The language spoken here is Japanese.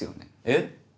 えっ？